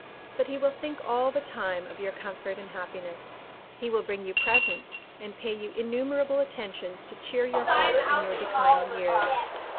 But he will think all the time of your comfort and happiness. He will bring you presents, and pay you innumerable attentions to cheer your heart in your declining years.